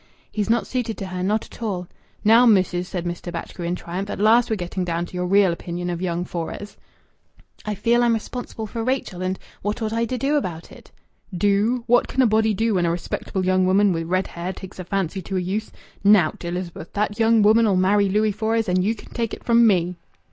"He's not suited to her not at all." "Now, missis," said Mr. Batchgrew in triumph, "at last we're getting down to your real opinion of young Fores." "I feel I'm responsible for Rachel, and What ought I to do about it?" "Do? What can a body do when a respectable young woman wi' red hair takes a fancy to a youth? Nowt, Elizabeth. That young woman'll marry Louis Fores, and ye can take it from me."